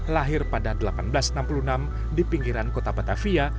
lahir pada seribu delapan ratus enam puluh enam di pinggiran kota batavia